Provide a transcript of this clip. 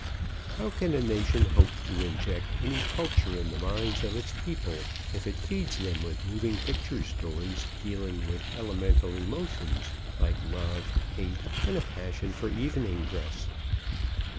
How can a nation hope to inject any culture in the minds of its people if it feeds them with moving picture stories dealing with elemental emotions like love, hate, and a passion for evening dress?